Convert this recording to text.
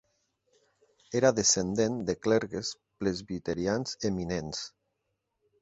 Era descendent de clergues presbiterians eminents.